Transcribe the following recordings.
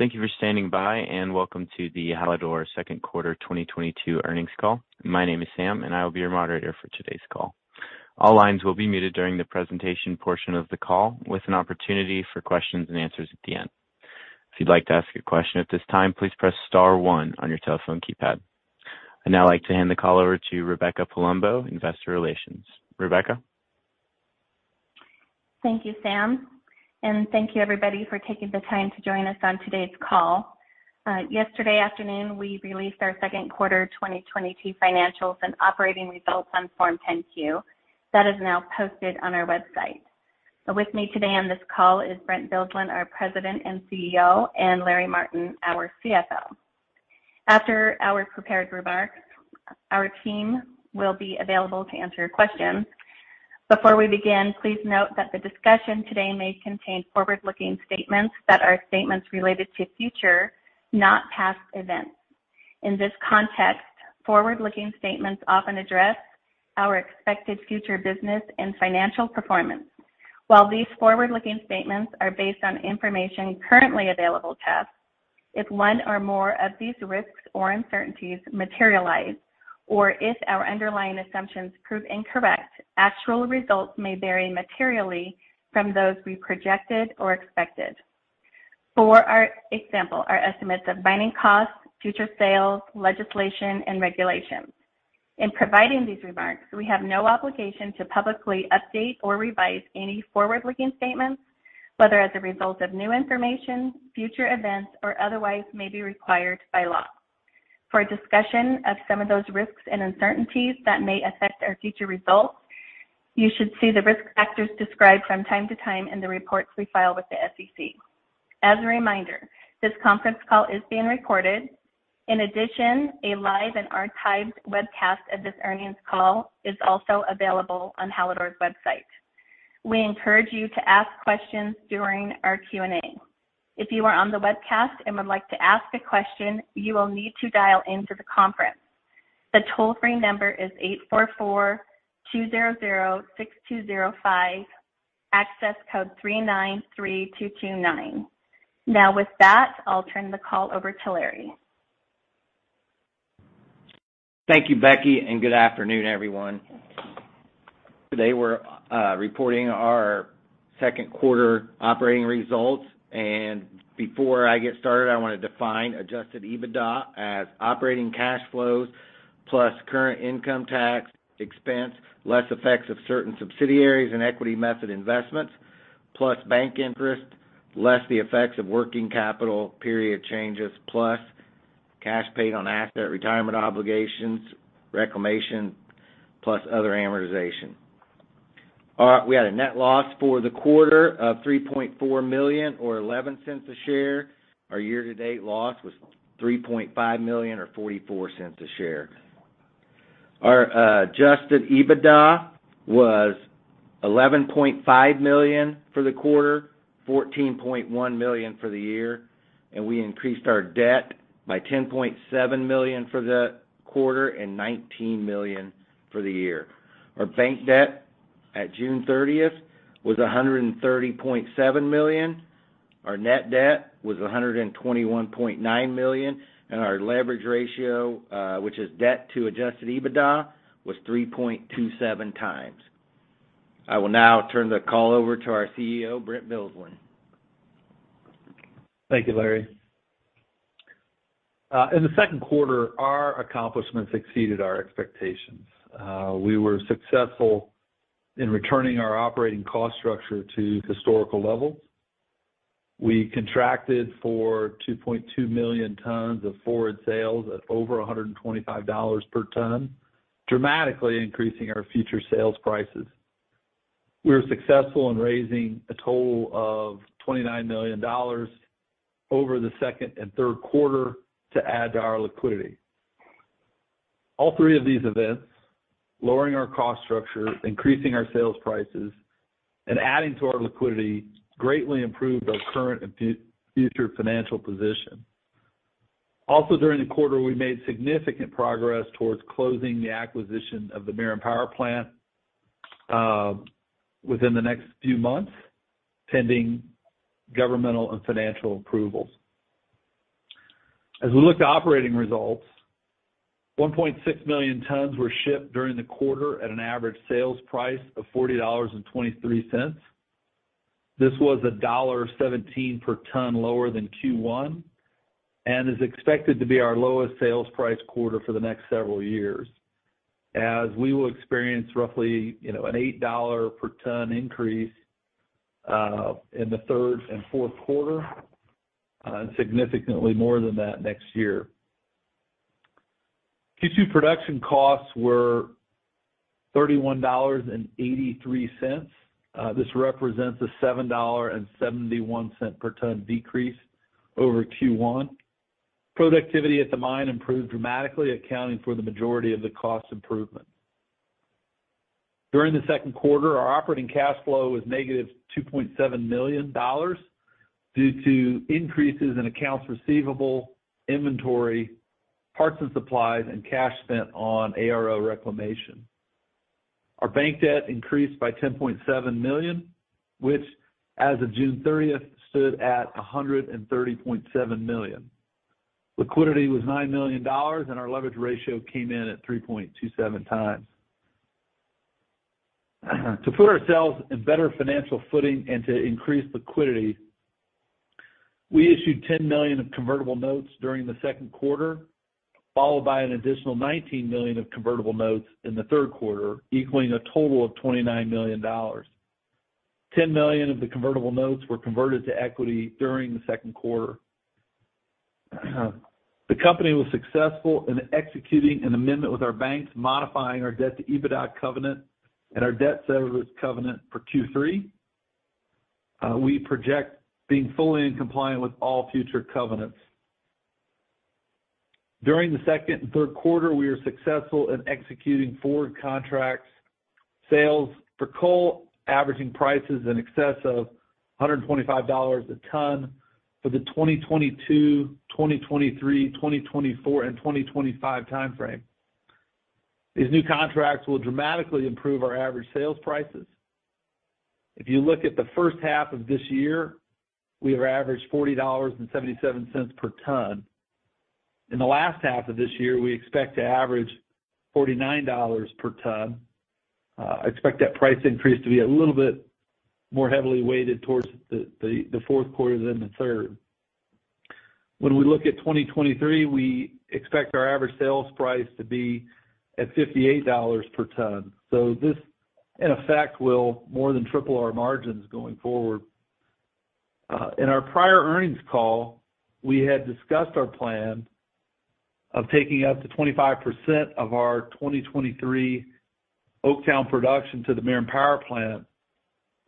Thank you for standing by, and welcome to the Hallador second quarter 2022 earnings call. My name is Sam, and I will be your moderator for today's call. All lines will be muted during the presentation portion of the call, with an opportunity for questions and answers at the end. If you'd like to ask a question at this time, please press star one on your telephone keypad. I'd now like to hand the call over to Rebecca Palumbo, Investor Relations. Rebecca? Thank you, Sam, and thank you everybody for taking the time to join us on today's call. Yesterday afternoon, we released our second quarter 2022 financials and operating results on Form 10-Q. That is now posted on our website. With me today on this call is Brent Bilsland, our President and CEO, and Larry Martin, our CFO. After our prepared remarks, our team will be available to answer your questions. Before we begin, please note that the discussion today may contain forward-looking statements that are statements related to future, not past, events. In this context, forward-looking statements often address our expected future business and financial performance. While these forward-looking statements are based on information currently available to us, if one or more of these risks or uncertainties materialize, or if our underlying assumptions prove incorrect, actual results may vary materially from those we've projected or expected. For example, our estimates of mining costs, future sales, legislation, and regulations. In providing these remarks, we have no obligation to publicly update or revise any forward-looking statements, whether as a result of new information, future events, or otherwise may be required by law. For a discussion of some of those risks and uncertainties that may affect our future results, you should see the risk factors described from time to time in the reports we file with the SEC. As a reminder, this conference call is being recorded. In addition, a live and archived webcast of this earnings call is also available on Hallador's website. We encourage you to ask questions during our Q&A. If you are on the webcast and would like to ask a question, you will need to dial into the conference. The toll-free number is 844-200-6205, access code 393229. Now, with that, I'll turn the call over to Larry. Thank you, Becky, and good afternoon, everyone. Today, we're reporting our second quarter operating results. Before I get started, I wanna define Adjusted EBITDA as operating cash flows plus current income tax expense, less effects of certain subsidiaries and equity method investments, plus bank interest, less the effects of working capital period changes, plus cash paid on asset retirement obligations, reclamation, plus other amortization. We had a net loss for the quarter of $3.4 million or $0.11 a share. Our year-to-date loss was $3.5 million or $0.44 a share. Our Adjusted EBITDA was $11.5 million for the quarter, $14.1 million for the year, and we increased our debt by $10.7 million for the quarter and $19 million for the year. Our bank debt at June 30th was $130.7 million. Our net debt was $121.9 million, and our leverage ratio, which is debt to Adjusted EBITDA, was 3.27x. I will now turn the call over to our CEO, Brent Bilsland. Thank you, Larry. In the second quarter, our accomplishments exceeded our expectations. We were successful in returning our operating cost structure to historical levels. We contracted for 2.2 million tons of forward sales at over $125 per ton, dramatically increasing our future sales prices. We were successful in raising a total of $29 million over the second and third quarter to add to our liquidity. All three of these events, lowering our cost structure, increasing our sales prices, and adding to our liquidity, greatly improved our current and future financial position. Also, during the quarter, we made significant progress towards closing the acquisition of the Merom power plant, within the next few months, pending governmental and financial approvals. As we look to operating results, 1.6 million tons were shipped during the quarter at an average sales price of $40.23. This was $1.17 per ton lower than Q1 and is expected to be our lowest sales price quarter for the next several years, as we will experience roughly an $8 per ton increase in the third and fourth quarter, and significantly more than that next year. Q2 production costs were $31.83. This represents a $7.71 per ton decrease over Q1. Productivity at the mine improved dramatically, accounting for the majority of the cost improvement. During the second quarter, our operating cash flow was -$2.7 million due to increases in accounts receivable, inventory, parts and supplies, and cash spent on ARO reclamation. Our bank debt increased by $10.7 million, which as of June 30th, stood at $130.7 million. Liquidity was $9 million, and our leverage ratio came in at 3.27x. To put ourselves in better financial footing and to increase liquidity, we issued $10 million of convertible notes during the second quarter, followed by an additional $19 million of convertible notes in the third quarter, equaling a total of $29 million. $10 million of the convertible notes were converted to equity during the second quarter. The company was successful in executing an amendment with our banks modifying our debt to EBITDA covenant and our debt service covenant for Q3. We project being fully in compliant with all future covenants. During the second and third quarter, we are successful in executing forward contracts, sales for coal averaging prices in excess of $125 a ton for the 2022, 2023, 2024, and 2025 time frame. These new contracts will dramatically improve our average sales prices. If you look at the first half of this year, we have averaged $40.77 per ton. In the last half of this year, we expect to average $49 per ton. I expect that price increase to be a little bit more heavily weighted towards the fourth quarter than the third. When we look at 2023, we expect our average sales price to be at $58 per ton. This in effect will more than triple our margins going forward. In our prior earnings call, we had discussed our plan of taking up to 25% of our 2023 Oaktown production to the Merom power plant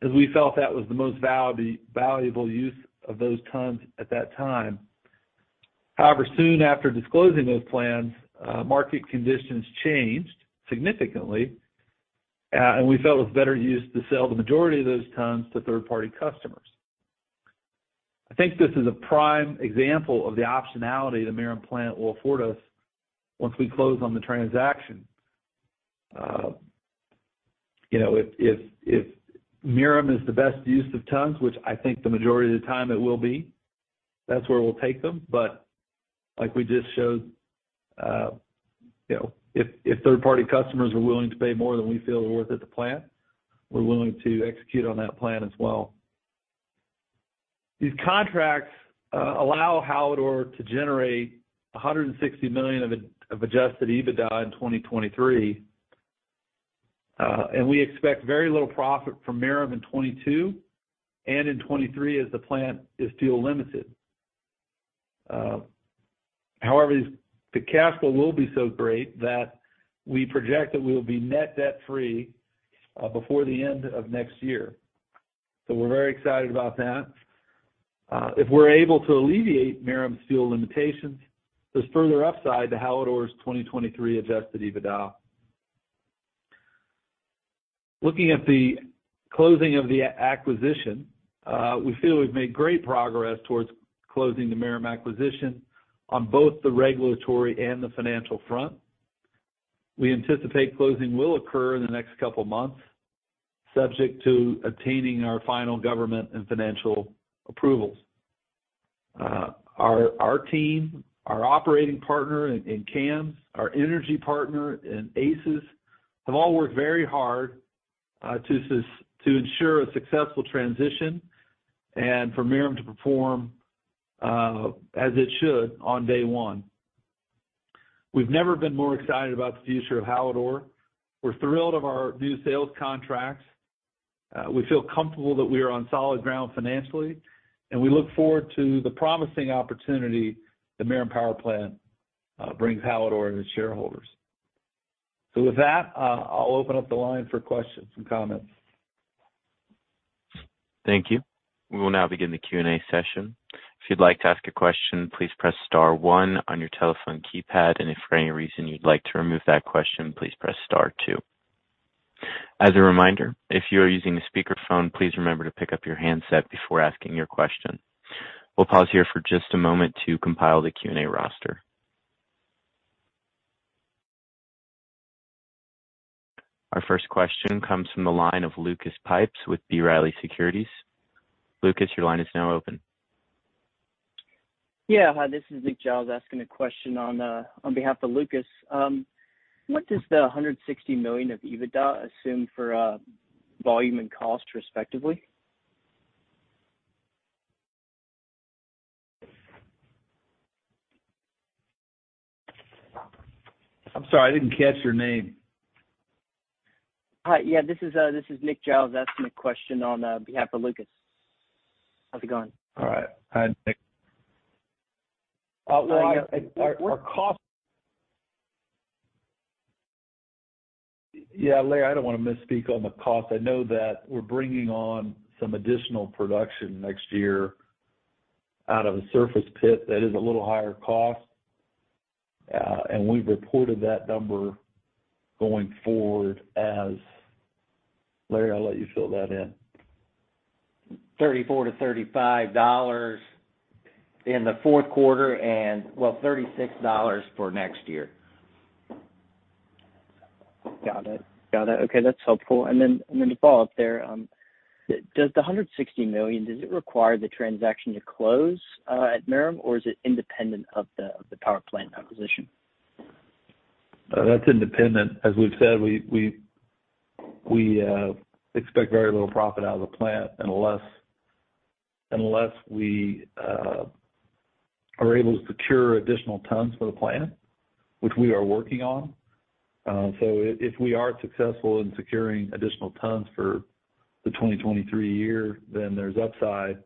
as we felt that was the most valuable use of those tons at that time. However, soon after disclosing those plans, market conditions changed significantly, and we felt it was better use to sell the majority of those tons to third party customers. I think this is a prime example of the optionality the Merom plant will afford us once we close on the transaction. You know, if Merom is the best use of tons, which I think the majority of the time it will be, that's where we'll take them. Like we just showed, you know, if third party customers are willing to pay more than we feel they're worth at the plant, we're willing to execute on that plan as well. These contracts allow Hallador to generate $160 million of Adjusted EBITDA in 2023. We expect very little profit from Merom in 2022 and in 2023 as the plant is fuel limited. However, the cash flow will be so great that we project that we'll be net debt free before the end of next year. We're very excited about that. If we're able to alleviate Merom's fuel limitations, there's further upside to Hallador's 2023 Adjusted EBITDA. Looking at the closing of the acquisition, we feel we've made great progress towards closing the Merom acquisition on both the regulatory and the financial front. We anticipate closing will occur in the next couple of months, subject to attaining our final government and financial approvals. Our team, our operating partner in KAM, our energy partner in ACES, have all worked very hard to ensure a successful transition and for Merom to perform as it should on day one. We've never been more excited about the future of Hallador. We're thrilled with our new sales contracts. We feel comfortable that we are on solid ground financially, and we look forward to the promising opportunity the Merom power plant brings Hallador and its shareholders. With that, I'll open up the line for questions and comments. Thank you. We will now begin the Q&A session. If you'd like to ask a question, please press star one on your telephone keypad. If for any reason you'd like to remove that question, please press star two. As a reminder, if you are using a speakerphone, please remember to pick up your handset before asking your question. We'll pause here for just a moment to compile the Q&A roster. Our first question comes from the line of Lucas Pipes with B. Riley Securities. Lucas, your line is now open. Yeah. Hi, this is Nick Giles asking a question on behalf of Lucas. What does the $160 million of EBITDA assume for volume and cost, respectively? I'm sorry, I didn't catch your name. Hi. Yeah, this is Nick Giles asking a question on behalf of Lucas. How's it going? All right. Hi, Nick. Larry, our cost. Yeah, Larry, I don't wanna misspeak on the cost. I know that we're bringing on some additional production next year out of a surface pit that is a little higher cost. We've reported that number going forward as. Larry, I'll let you fill that in. $34-$35 in the fourth quarter and, well, $36 for next year. Got it. Okay, that's helpful. To follow up there, does the $160 million require the transaction to close at Merom, or is it independent of the power plant acquisition? That's independent. As we've said, we expect very little profit out of the plant unless we are able to secure additional tons for the plant, which we are working on. If we are successful in securing additional tons for the 2023 year, then there's upside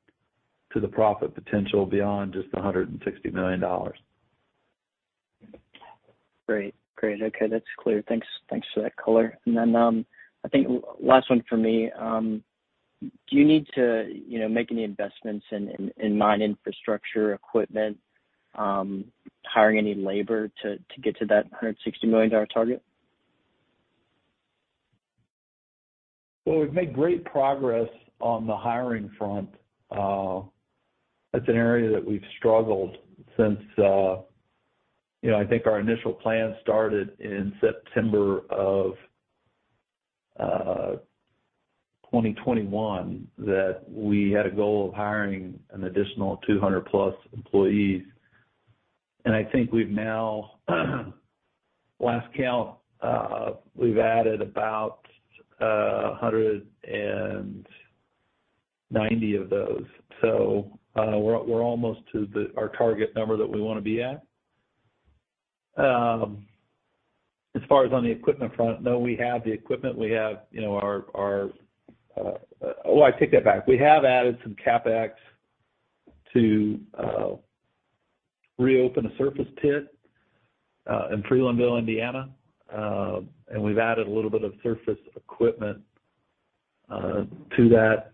to the profit potential beyond just the $160 million. Great. Okay, that's clear. Thanks for that color. I think last one from me. Do you need to, you know, make any investments in mine infrastructure, equipment, hiring any labor to get to that $160 million target? Well, we've made great progress on the hiring front. That's an area that we've struggled since, you know, I think our initial plan started in September of 2021, that we had a goal of hiring an additional 200+ employees. I think we've now last count, we've added about 190 of those. We're almost to our target number that we wanna be at. As far as on the equipment front, no, we have the equipment. We have, you know... Oh, I take that back. We have added some CapEx to reopen a surface pit in Freelandville, Indiana. We've added a little bit of surface equipment to that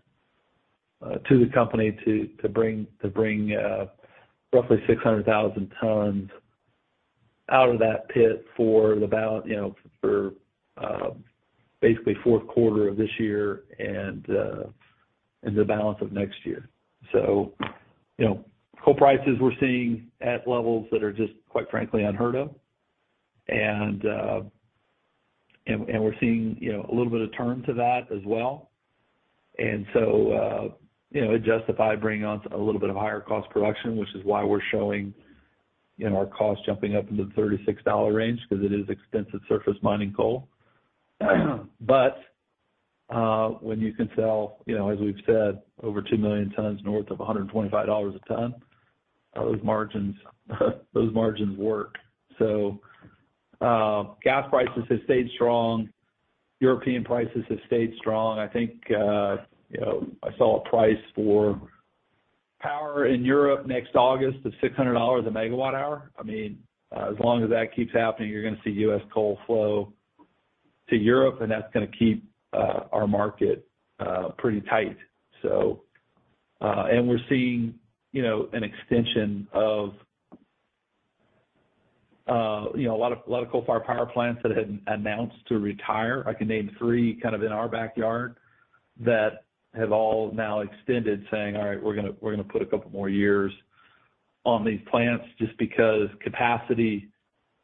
to the company to bring roughly 600,000 tons out of that pit you know, basically fourth quarter of this year and the balance of next year. You know, coal prices we're seeing at levels that are just, quite frankly, unheard of. We're seeing, you know, a little bit of turn to that as well. You know, it justified bringing on a little bit of higher cost production, which is why we're showing, you know, our costs jumping up into the $36 range because it is expensive surface mining coal. When you can sell, you know, as we've said, over 2 million tons north of $125 a ton, those margins work. Gas prices have stayed strong. European prices have stayed strong. I think, you know, I saw a price for power in Europe next August of $600 a MWh. I mean, as long as that keeps happening, you're gonna see US coal flow to Europe, and that's gonna keep our market pretty tight. We're seeing, you know, an extension of, you know, a lot of coal-fired power plants that had announced to retire. I can name three kind of in our backyard that have all now extended saying, all right, we're gonna put a couple more years on these plants just because capacity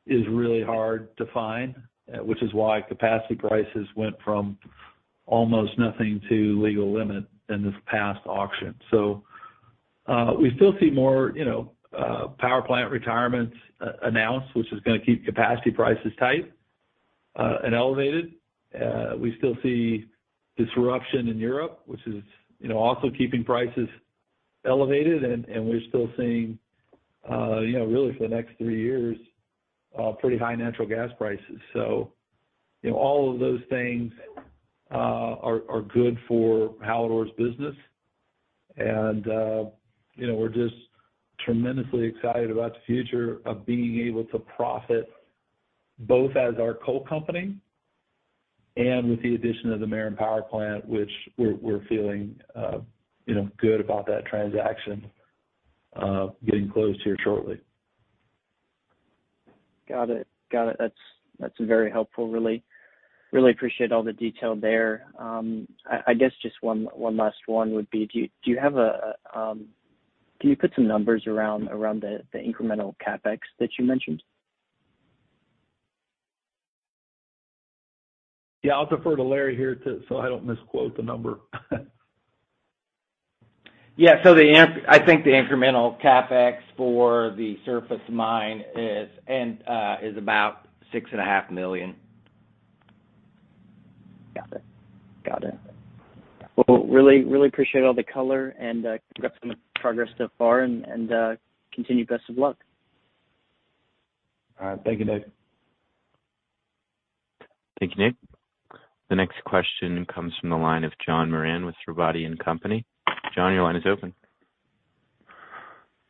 is really hard to find, which is why capacity prices went from almost nothing to legal limit in this past auction. We still see more, you know, power plant retirements announced, which is gonna keep capacity prices tight, and elevated. We still see disruption in Europe, which is, you know, also keeping prices elevated, and we're still seeing, you know, really for the next three years, pretty high natural gas prices. You know, all of those things are good for Hallador's business. You know, we're just tremendously excited about the future of being able to profit both as our coal company and with the addition of the Merom power plant, which we're feeling, you know, good about that transaction getting closed here shortly. Got it. That's very helpful. Really appreciate all the detail there. I guess just one last one would be, can you put some numbers around the incremental CapEx that you mentioned? Yeah. I'll defer to Larry here so I don't misquote the number. Yeah. The incremental CapEx for the surface mine is about $6.5 million. Got it. Well, really appreciate all the color and congrats on the progress so far and continued best of luck. All right. Thank you, Nick. Thank you, Nick. The next question comes from the line of John Moran with Robotti & Company. John, your line is open.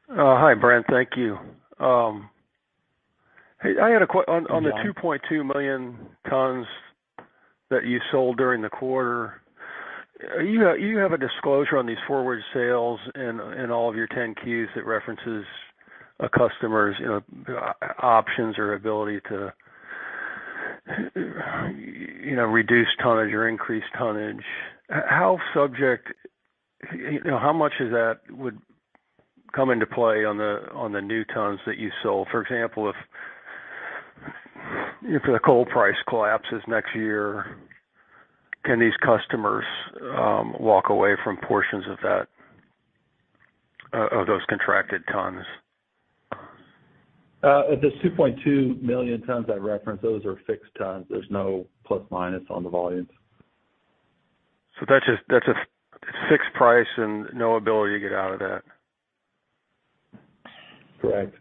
Hi, Brent. Thank you. Hey, I had a que- Hi, John. On the 2.2 million tons that you sold during the quarter, you have a disclosure on these forward sales in all of your 10-Qs that references a customer's options or ability to reduced tonnage or increased tonnage. How much of that would come into play on the new tons that you sold? For example, if the coal price collapses next year, can these customers walk away from portions of that of those contracted tons? The 2.2 million tons I referenced, those are fixed tons. There's no plus/minus on the volumes. That's just, that's a fixed price and no ability to get out of that? Correct.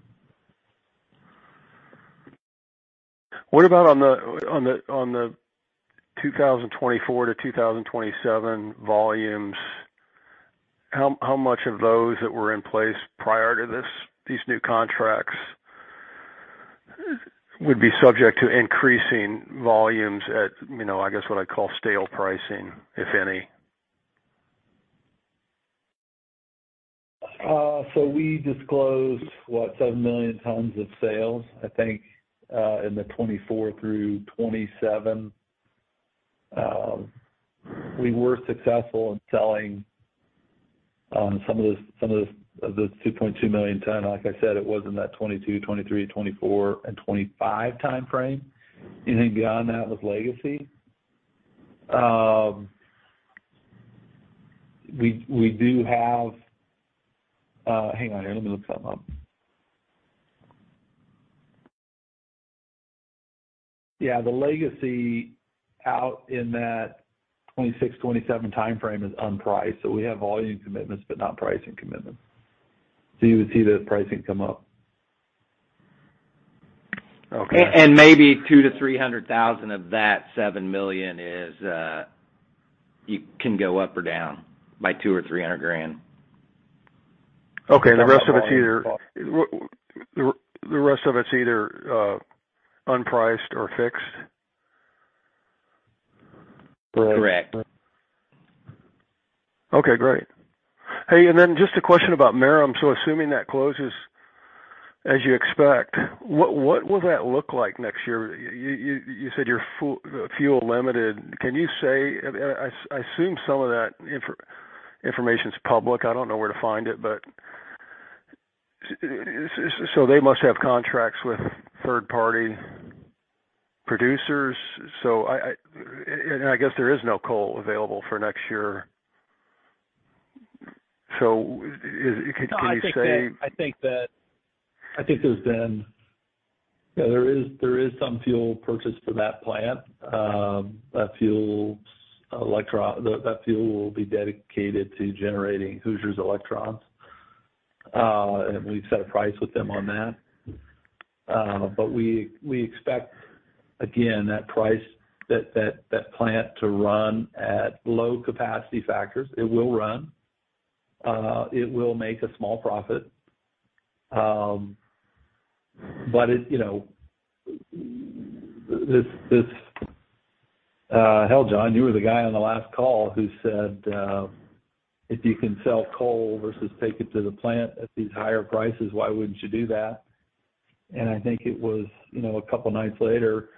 What about on the 2024-2027 volumes? How much of those that were in place prior to this, these new contracts would be subject to increasing volumes at, you know, I guess, what I call stale pricing, if any? We disclosed, what? 7 million tons of sales, I think, in the 2024 through 2027. We were successful in selling some of those 2.2 million ton. Like I said, it was in that 2022, 2023, 2024 and 2025 timeframe. Anything beyond that was legacy. We do have. Hang on here. Let me look something up. The legacy out in that 2026, 2027 timeframe is unpriced. We have volume commitments, but not pricing commitment. You would see the pricing come up. Okay. Maybe $200,000-$300,000 of that $7 million is. You can go up or down by $200,000 or $300,000. The rest of it's either unpriced or fixed? Correct. Correct. Okay, great. Hey, then just a question about Merom. So assuming that closes as you expect, what will that look like next year? You said you're fuel limited. Can you say? I assume some of that information's public. I don't know where to find it, but so they must have contracts with third party producers. So I guess there is no coal available for next year. So can you say- No, I think there's been. Yeah, there is some fuel purchased for that plant. Though that fuel will be dedicated to generating Hoosier electrons. And we've set a price with them on that. But we expect, again, that plant to run at low capacity factors. It will run. It will make a small profit. But it, you know. This, Hell, John, you were the guy on the last call who said, if you can sell coal versus take it to the plant at these higher prices, why wouldn't you do that? I think it was, you know, a couple nights later,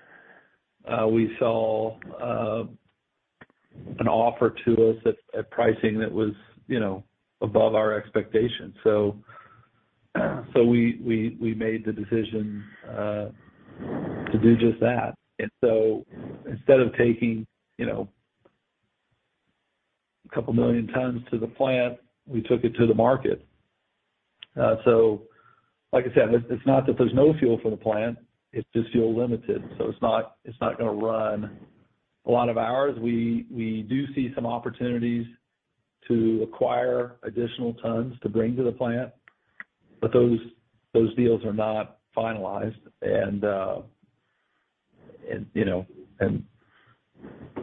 we saw an offer to us at pricing that was, you know, above our expectations. We made the decision to do just that. Instead of taking 2 million tons to the plant, we took it to the market. Like I said, it's not that there's no fuel for the plant, it's just fuel limited. It's not gonna run a lot of hours. We do see some opportunities to acquire additional tons to bring to the plant, but those deals are not finalized and you know.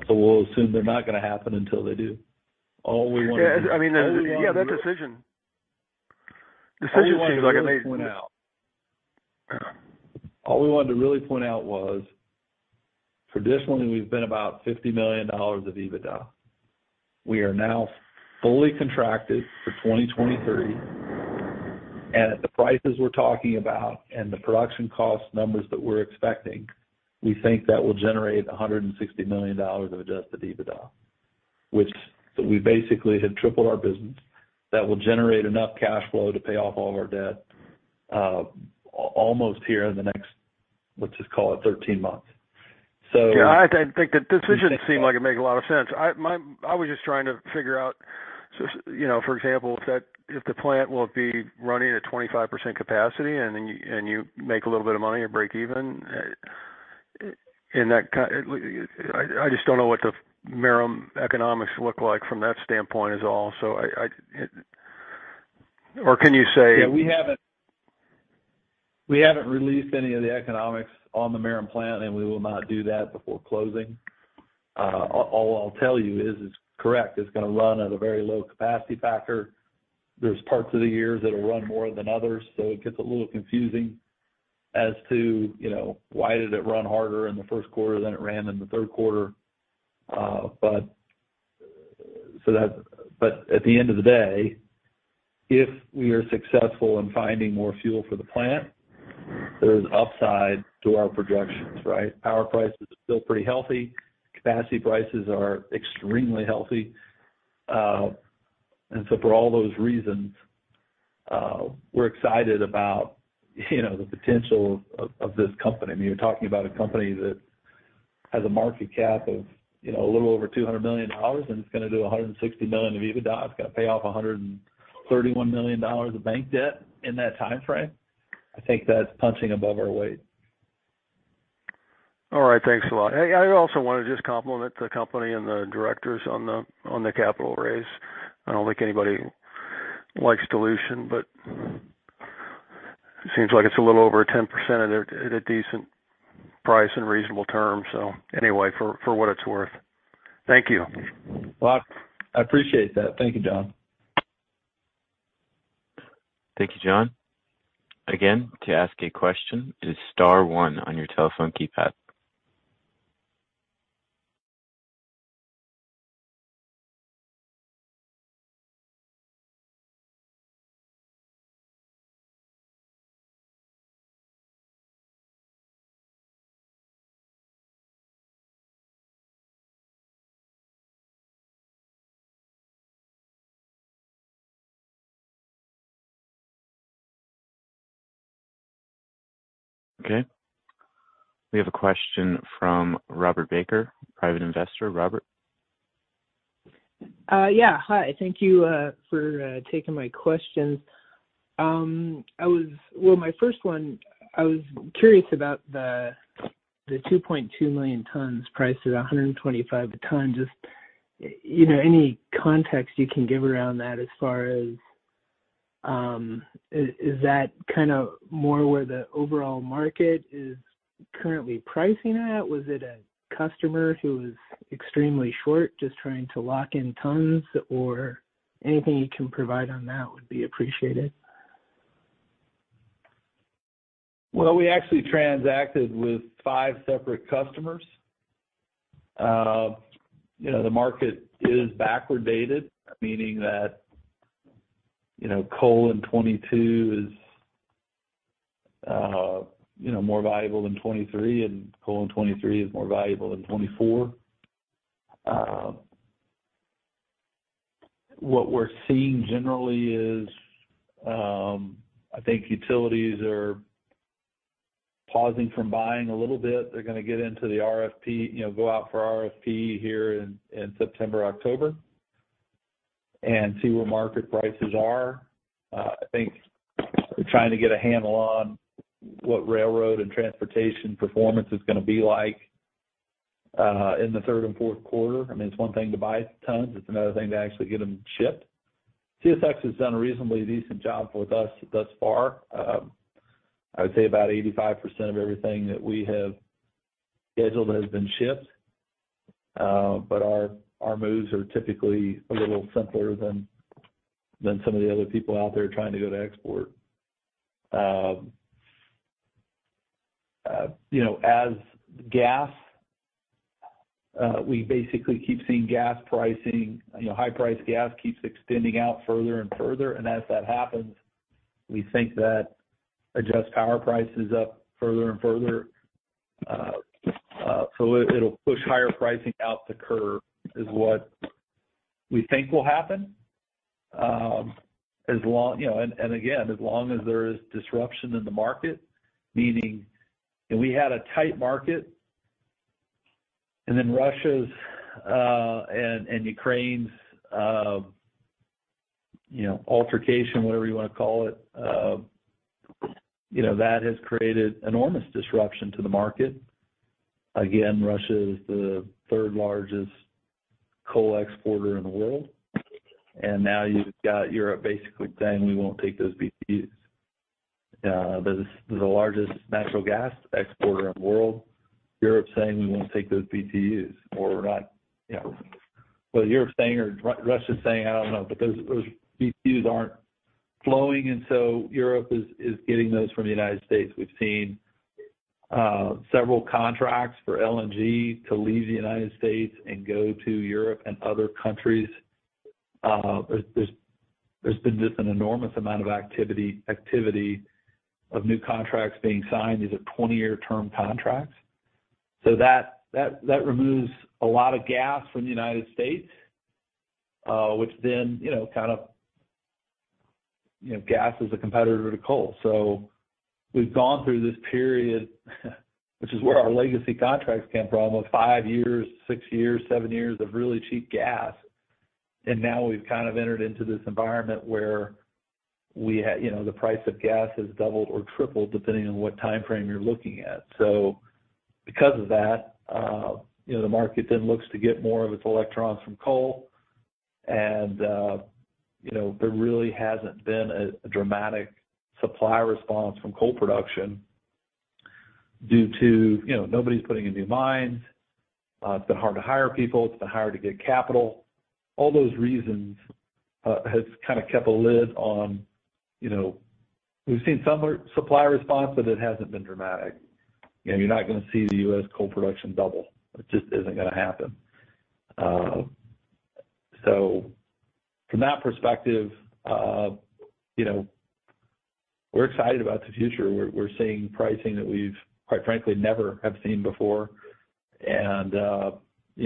We'll assume they're not gonna happen until they do. All we want is- Yeah. I mean, yeah, that decision seems like it made. All we wanted to really point out was traditionally we've been about $50 million of EBITDA. We are now fully contracted for 2023. At the prices we're talking about and the production cost numbers that we're expecting, we think that will generate $160 million of adjusted EBITDA. We basically have tripled our business. That will generate enough cash flow to pay off all of our debt, almost here in the next, let's just call it 13 months. Yeah, I think the decision seemed like it make a lot of sense. I was just trying to figure out, you know, for example, if the plant will be running at 25% capacity and then you make a little bit of money or break even. I just don't know what the Merom economics look like from that standpoint, is all. Or can you say- Yeah, we haven't released any of the economics on the Merom plant, and we will not do that before closing. All I'll tell you is it's correct, it's gonna run at a very low capacity factor. There's parts of the years that'll run more than others, so it gets a little confusing as to, you know, why did it run harder in the first quarter than it ran in the third quarter. At the end of the day, if we are successful in finding more fuel for the plant, there's upside to our projections, right? Power prices are still pretty healthy. Capacity prices are extremely healthy. For all those reasons, we're excited about, you know, the potential of this company. I mean, you're talking about a company that has a market cap of, you know, a little over $200 million, and it's gonna do $160 million of EBITDA. It's gonna pay off $131 million of bank debt in that time frame. I think that's punching above our weight. All right. Thanks a lot. I also want to just compliment the company and the directors on the capital raise. I don't think anybody likes dilution, but it seems like it's a little over 10% at a decent price and reasonable terms. Anyway, for what it's worth. Thank you. Well, I appreciate that. Thank you, John. Thank you, John. Again, to ask a question, it is star one on your telephone keypad. Okay. We have a question from Robert Baker, Private Investor. Robert. Yeah. Hi. Thank you for taking my questions. Well, my first one, I was curious about the 2.2 million tons priced at $125 a ton. Just, you know, any context you can give around that as far as, is that kind of more where the overall market is currently pricing at? Was it a customer who was extremely short just trying to lock in tons? Or anything you can provide on that would be appreciated. Well, we actually transacted with five separate customers. You know, the market is backward dated, meaning that, you know, coal in 2022 is more valuable than 2023, and coal in 2023 is more valuable than 2024. What we're seeing generally is, I think utilities are pausing from buying a little bit. They're gonna get into the RFP, you know, go out for RFP here in September, October, and see where market prices are. I think they're trying to get a handle on what railroad and transportation performance is gonna be like in the third and fourth quarter. I mean, it's one thing to buy tons, it's another thing to actually get them shipped. CSX has done a reasonably decent job with us thus far. I would say about 85% of everything that we have scheduled has been shipped. Our moves are typically a little simpler than some of the other people out there trying to go to export. You know, as gas, we basically keep seeing gas pricing. You know, high price gas keeps extending out further and further, and as that happens, we think that adjusts power prices up further and further. It'll push higher pricing out the curve, is what we think will happen. You know, and again, as long as there is disruption in the market, meaning we had a tight market and then Russia's and Ukraine's, you know, altercation, whatever you wanna call it, you know, that has created enormous disruption to the market. Again, Russia is the third largest coal exporter in the world, and now you've got Europe basically saying, "We won't take those BTUs." The largest natural gas exporter in the world, Europe saying, "We won't take those BTUs." What Europe's saying or Russia's saying, I don't know. But those BTUs aren't flowing, and so Europe is getting those from the United States. We've seen several contracts for LNG to leave the United States and go to Europe and other countries. There's been just an enormous amount of activity of new contracts being signed. These are 20-year term contracts. So that removes a lot of gas from the United States, which then you know kind of. You know, gas is a competitor to coal. We've gone through this period which is where our legacy contracts came from, of five years, six years, seven years of really cheap gas. Now we've kind of entered into this environment where you know, the price of gas has doubled or tripled, depending on what timeframe you're looking at. Because of that, you know, the market then looks to get more of its electrons from coal. You know, there really hasn't been a dramatic supply response from coal production due to, you know, nobody's putting in new mines. It's been hard to hire people. It's been hard to get capital. All those reasons has kind of kept a lid on, you know. We've seen some supply response, but it hasn't been dramatic. You know, you're not gonna see the U.S. coal production double. It just isn't gonna happen. From that perspective, you know, we're excited about the future. We're seeing pricing that we've, quite frankly, never have seen before. You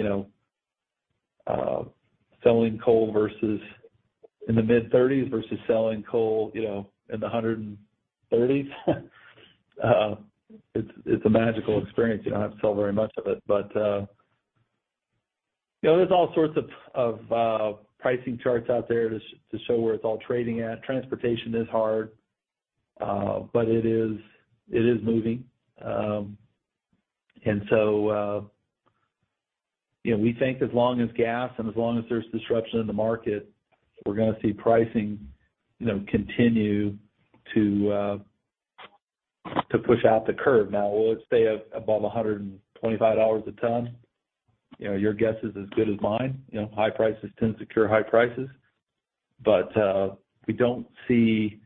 know, selling coal versus in the mid-30s versus selling coal, you know, in the 130s, it's a magical experience. You don't have to sell very much of it. You know, there's all sorts of pricing charts out there to show where it's all trading at. Transportation is hard, but it is moving. You know, we think as long as gas and as long as there's disruption in the market, we're gonna see pricing, you know, continue to push out the curve. Now, will it stay above $125 a ton? You know, your guess is as good as mine. You know, high prices tend to cure high prices. We don't see.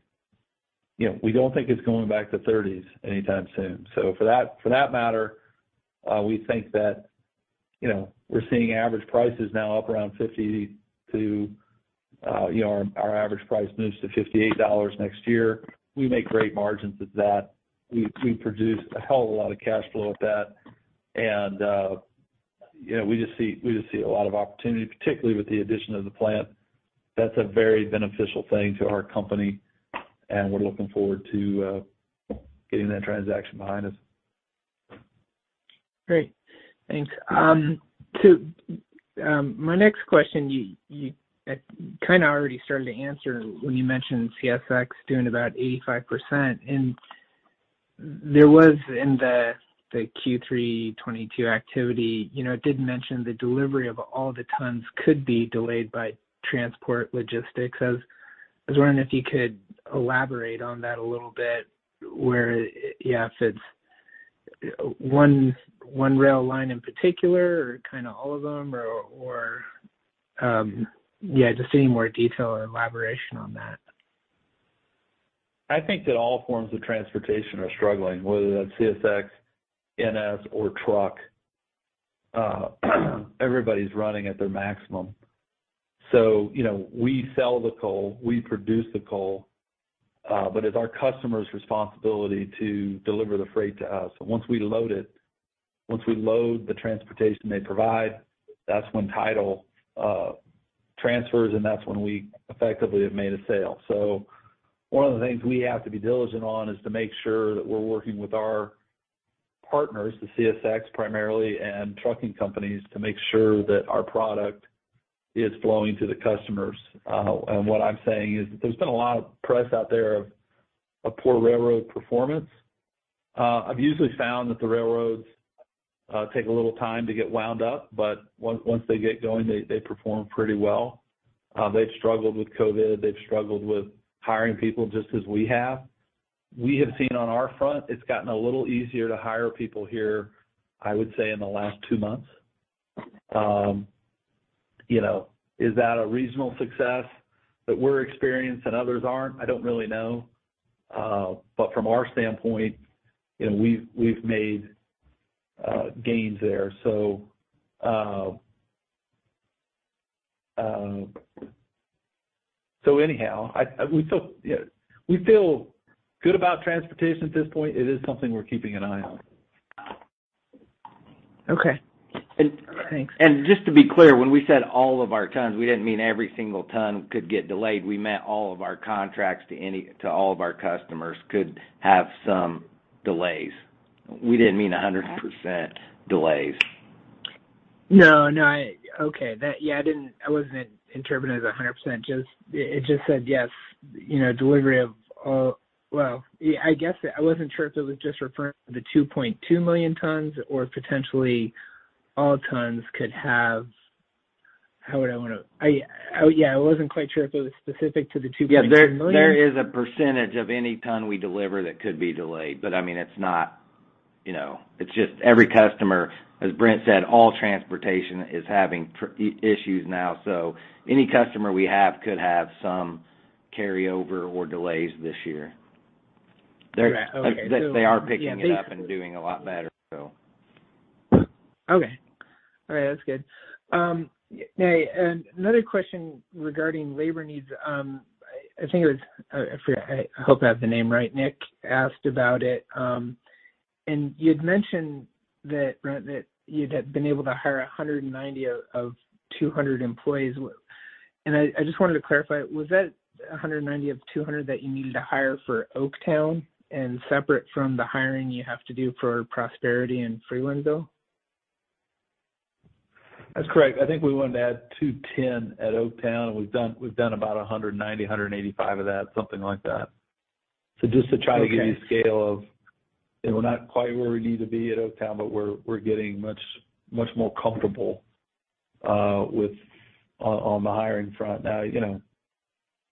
You know, we don't think it's going back to 30s anytime soon. For that matter, we think that, you know, we're seeing average prices now up around $50 to, you know, our average price moves to $58 next year. We make great margins with that. We produce a hell of a lot of cash flow with that. You know, we just see a lot of opportunity, particularly with the addition of the plant. That's a very beneficial thing to our company, and we're looking forward to getting that transaction behind us. Great. Thanks. My next question, I kind of already started to answer when you mentioned CSX doing about 85%. There was in the Q3 2022 activity, you know, it did mention the delivery of all the tons could be delayed by transport logistics. I was wondering if you could elaborate on that a little bit where yeah, if it's one rail line in particular or kind of all of them or yeah, just any more detail or elaboration on that. I think that all forms of transportation are struggling, whether that's CSX, NS or trucking. Everybody's running at their maximum. You know, we sell the coal, we produce the coal, but it's our customer's responsibility to deliver the freight to us. Once we load the transportation they provide, that's when title transfers and that's when we effectively have made a sale. One of the things we have to be diligent on is to make sure that we're working with our partners, the CSX primarily and trucking companies, to make sure that our product is flowing to the customers. What I'm saying is there's been a lot of press out there of a poor railroad performance. I've usually found that the railroads take a little time to get wound up, but once they get going, they perform pretty well. They've struggled with COVID, they've struggled with hiring people just as we have. We have seen on our front, it's gotten a little easier to hire people here, I would say in the last two months. You know, is that a regional success that we're experienced and others aren't? I don't really know. From our standpoint, you know, we've made gains there. Anyhow, we feel good about transportation at this point. It is something we're keeping an eye on. Okay. Thanks. Just to be clear, when we said all of our tons, we didn't mean every single ton could get delayed. We meant all of our contracts to all of our customers could have some delays. We didn't mean 100% delays. No. Okay. Yeah, I wasn't interpreting it as 100%. It just said yes, you know, delivery of all. Well, yeah, I guess I wasn't sure if it was just referring to the 2.2 million tons or potentially all tons could have. Yeah, I wasn't quite sure if it was specific to the 2.2 million. Yeah. There is a percentage of any ton we deliver that could be delayed. I mean, it's not, you know. It's just every customer, as Brent said, all transportation is having price issues now. Any customer we have could have some carry over or delays this year. Right. Okay. They are picking it up and doing a lot better, so. Okay. All right. That's good. Now, another question regarding labor needs. I think it was. I forget. I hope I have the name right. Nick asked about it. You'd mentioned that, Brent, that you'd had been able to hire 190 out of 200 employees. I just wanted to clarify, was that 190 of 200 that you needed to hire for Oaktown and separate from the hiring you have to do for Prosperity and Freelandville? That's correct. I think we wanted to add 210 at Oaktown. We've done about 190, 185 of that, something like that. Okay. Give you scale of, you know, we're not quite where we need to be at Oaktown, but we're getting much more comfortable on the hiring front. Now, you know,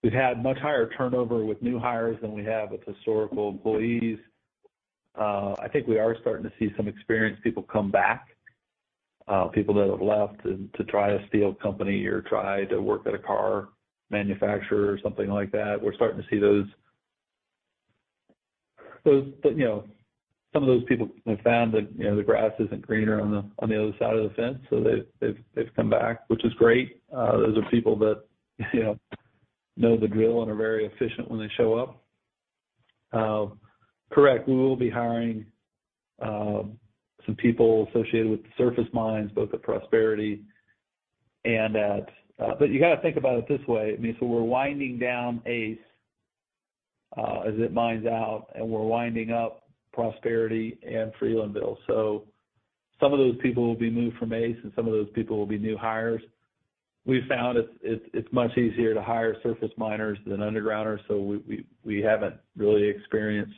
we've had much higher turnover with new hires than we have with historical employees. I think we are starting to see some experienced people come back. People that have left to try a steel company or try to work at a car manufacturer or something like that, we're starting to see those, you know, some of those people have found that, you know, the grass isn't greener on the other side of the fence, so they've come back, which is great. Those are people that, you know the drill and are very efficient when they show up. Correct. We will be hiring some people associated with the surface mines, both at Prosperity and at. You got to think about it this way. I mean, we're winding down Ace as it mines out, and we're winding up Prosperity and Freelandville. Some of those people will be moved from Ace, and some of those people will be new hires. We found it's much easier to hire surface miners than undergrounders. We haven't really experienced,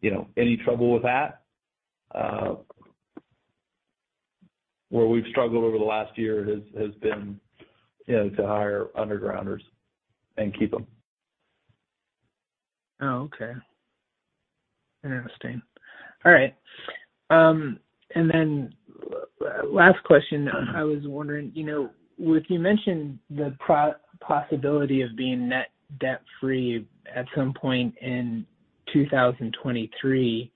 you know, any trouble with that. Where we've struggled over the last year has been, you know, to hire undergrounders and keep them. Oh, okay. Interesting. All right. Last question. I was wondering, you know, with you mentioned the possibility of being net debt-free at some point in 2023,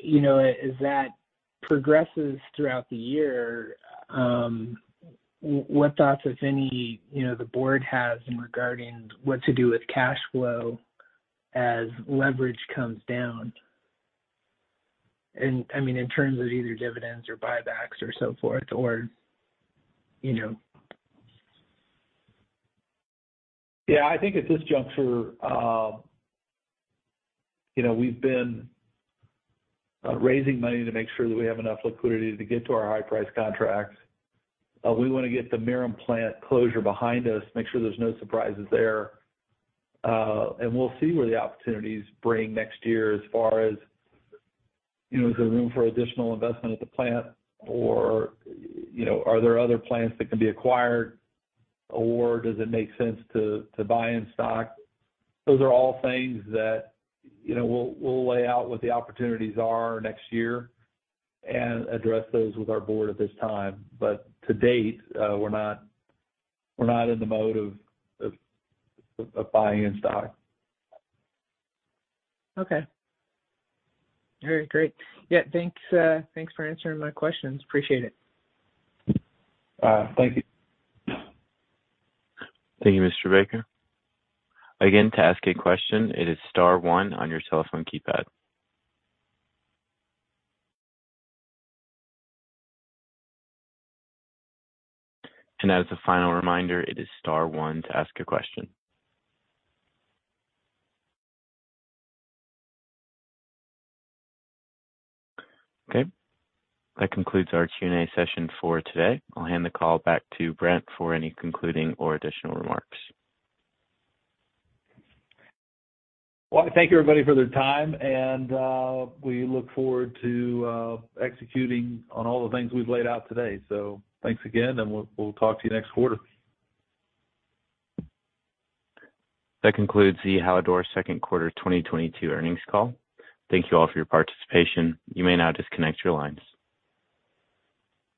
you know, as that progresses throughout the year, what thoughts, if any, you know, the board has in regarding what to do with cash flow as leverage comes down? I mean, in terms of either dividends or buybacks or so forth or, you know. Yeah, I think at this juncture, you know, we've been raising money to make sure that we have enough liquidity to get to our high price contracts. We wanna get the Merom plant closure behind us, make sure there's no surprises there, and we'll see where the opportunities bring next year as far as, you know, is there room for additional investment at the plant or, you know, are there other plants that can be acquired, or does it make sense to buy in stock? Those are all things that, you know, we'll lay out what the opportunities are next year and address those with our board at this time. But to date, we're not in the mode of buying in stock. Okay. All right. Great. Yeah, thanks for answering my questions. Appreciate it. Thank you. Thank you, Mr. Baker. Again, to ask a question, it is star one on your cell phone keypad. As a final reminder, it is star one to ask a question. Okay. That concludes our Q&A session for today. I'll hand the call back to Brent for any concluding or additional remarks. Well, thank you, everybody, for their time, and we look forward to executing on all the things we've laid out today. Thanks again, and we'll talk to you next quarter. That concludes the Hallador second quarter 2022 earnings call. Thank you all for your participation. You may now disconnect your lines.